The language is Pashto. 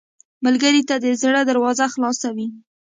ملګری ته د زړه دروازه خلاصه وي